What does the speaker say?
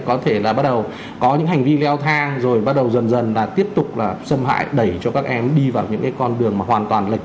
có thể là bắt đầu có những hành vi leo thang rồi bắt đầu dần dần là tiếp tục là xâm hại đẩy cho các em đi vào những cái con đường mà hoàn toàn lệch